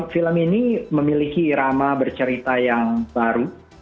film ini memiliki irama bercerita yang baru